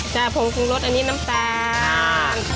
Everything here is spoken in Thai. ใช่หมุนกรุงรสอันนี้น้ำตาล